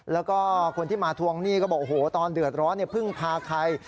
แล้วก็คนที่มาทวงหนี้ก็บอกโอ้โหตอนเดือดร้อนพึ่งพาใคร